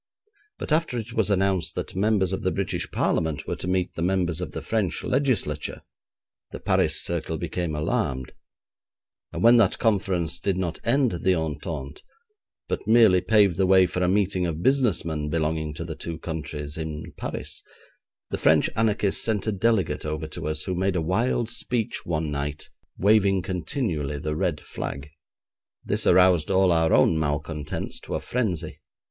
But after it was announced that members of the British Parliament were to meet the members of the French Legislature, the Paris circle became alarmed, and when that conference did not end the entente, but merely paved the way for a meeting of business men belonging to the two countries in Paris, the French anarchists sent a delegate over to us, who made a wild speech one night, waving continually the red flag. This aroused all our own malcontents to a frenzy.